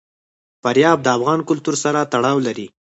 فاریاب د افغان کلتور سره تړاو لري.